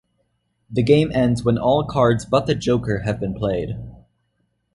The game ends when all cards but the Joker have been played.